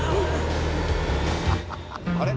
「あれ？」